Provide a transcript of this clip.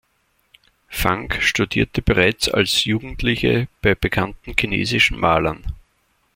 Fang studierte bereits als Jugendliche bei bekannten chinesischen Malern.